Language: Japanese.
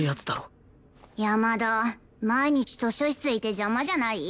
山田毎日図書室いて邪魔じゃない？